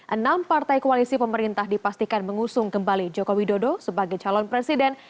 enam partai koalisi pemerintah dipastikan mengusung kembali joko widodo sebagai calon presiden